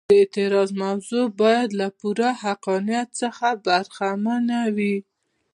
د اعتراض موضوع باید له پوره حقانیت څخه برخمنه وي.